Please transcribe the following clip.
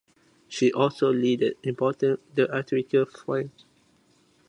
He also leaded important theatrical firms.